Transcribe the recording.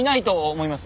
思います？